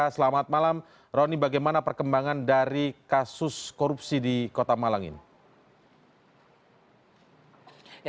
selamat malam roni bagaimana perkembangan dari kasus korupsi di kota malang ini